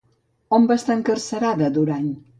On va estar encarcerada Durany?